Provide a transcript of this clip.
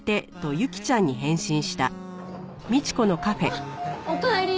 あっおかえり。